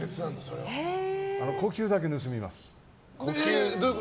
呼吸だけ盗みます。